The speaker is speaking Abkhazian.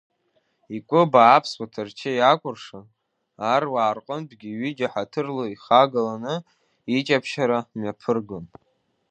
Икәыба аԥсуа ҭарчеи акәыршан, аруаа рҟынтәгьы ҩыџьа ҳаҭырла ихагыланы иҷаԥшьара мҩаԥыргон.